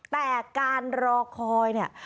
แต่การรอคอยเนี่ย